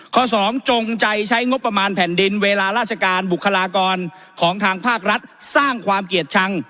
สองจงใจใช้งบประมาณแผ่นดินเวลาราชการบุคลากรของทางภาครัฐสร้างความเกลียดชัง